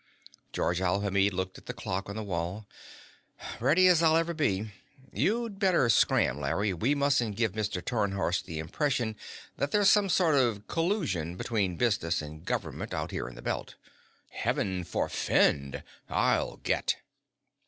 Georges Alhamid looked at the clock on the wall. "Ready as I'll ever be. You'd better scram, Larry. We mustn't give Mr. Tarnhorst the impression that there's some sort of collusion between business and government out there in the Belt." "Heaven forfend! I'll get."